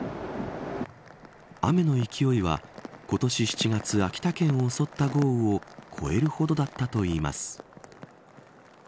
雨の勢いは今年７月秋田県を襲った豪雨を超えるほどだったといいます。